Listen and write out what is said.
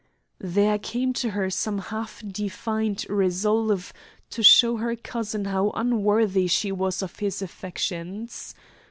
There came to her some half defined resolve to show her cousin how unworthy she was of his affections.